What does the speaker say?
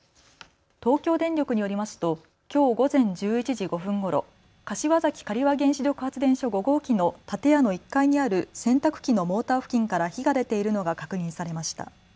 東京電力によりますときょう午前１１時５分ごろ柏崎刈羽原子力発電所５号機の建屋の１階にある洗濯機のモーター付近から火が出ているのが確認されました。